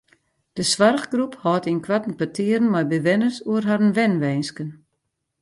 De soarchgroep hâldt ynkoarten petearen mei bewenners oer harren wenwinsken.